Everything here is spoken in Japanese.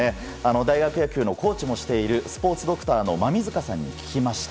大学野球のコーチもしているスポーツドクターの馬見塚さんに聞きました。